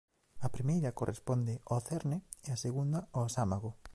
A primeira corresponde ao cerne e a segunda ao sámago.